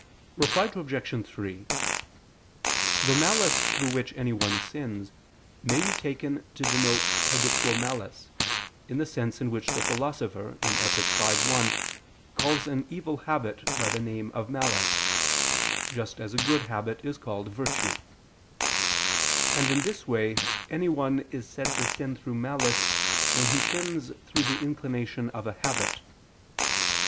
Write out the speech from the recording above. Reply Obj. 3: The malice through which anyone sins, may be taken to denote habitual malice, in the sense in which the Philosopher (Ethic. v, 1) calls an evil habit by the name of malice, just as a good habit is called virtue: and in this way anyone is said to sin through malice when he sins through the inclination of a habit.